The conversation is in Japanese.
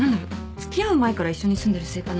付き合う前から一緒に住んでるせいかな？